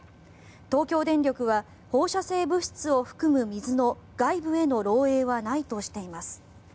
東京電力は放射性物質を含む水の外部への漏えいはないとしています。